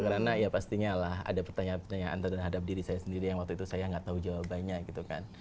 karena ya pastinya lah ada pertanyaan terhadap diri saya sendiri yang waktu itu saya nggak tahu jawabannya gitu kan